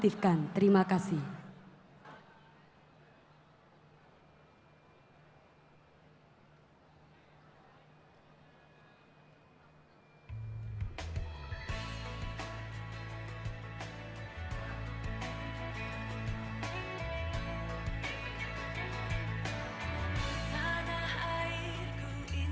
tuhan di atasku